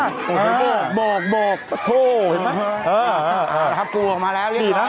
ใช่